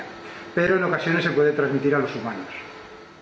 tapi kadang kadang bisa dikonsumsi oleh manusia